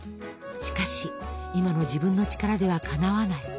しかし今の自分の力ではかなわない。